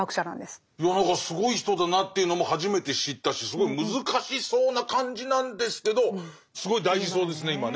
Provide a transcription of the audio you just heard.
すごい人だなっていうのも初めて知ったしすごい難しそうな感じなんですけどすごい大事そうですね今ね。